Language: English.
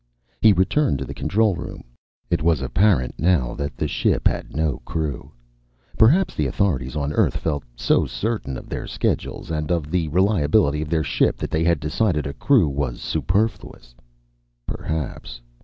He returned to the control room. It was apparent now that the ship had no crew. Perhaps the authorities on Earth felt so certain of their schedules and of the reliability of their ship that they had decided a crew was superfluous. Perhaps....